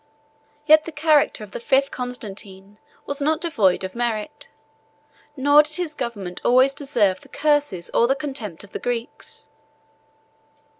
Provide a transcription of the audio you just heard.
Yet the character of the fifth Constantine was not devoid of merit, nor did his government always deserve the curses or the contempt of the Greeks.